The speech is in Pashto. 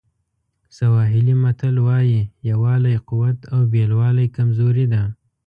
سواهیلي متل وایي یووالی قوت او بېلوالی کمزوري ده.